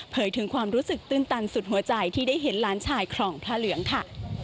ถึงความรู้สึกตื้นตันสุดหัวใจที่ได้เห็นล้านชายครองพระเหลืองค่ะ